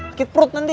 sakit perut nanti